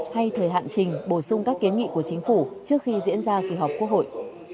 hay thời hạn trình bổ sung các kiến nghị của chính phủ trước khi diễn ra kỳ họp quốc hội